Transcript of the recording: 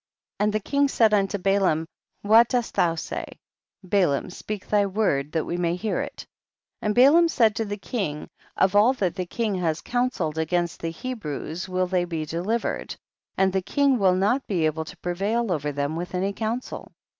44. And the king said unto Ba laam, what dost thou say, Balaam, speak thy word that we may hear it. 45. And Balaam said to the king, of all that the kini^ has counselled against the Hebrews will they be delivered, and the king will not be able to prevail over them with any counsel.